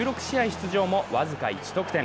出場も僅か１得点。